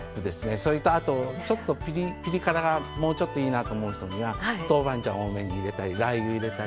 それと、ちょっとピリ辛がもうちょっといいなと思う人にはトウバンジャンを多めに入れたりラー油を入れたり。